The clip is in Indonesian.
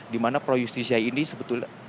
dimana pro justisia ini sebetulnya